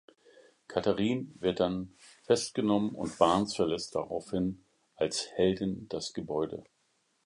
Catherine wird dann festgenommen und Barnes verlässt daraufhin als Heldin das Gebäude.